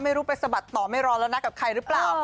ไม่รู้ไปสะบัดต่อไม่รอแล้วนะกับใครหรือเปล่า